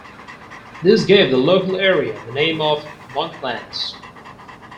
This gave the local area the name of Monklands.